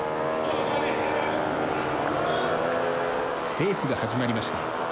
レースが始まりました。